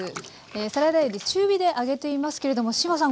サラダ油で中火で揚げていますけれども志麻さん